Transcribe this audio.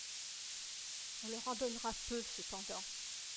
On leur en donnera peu cependant.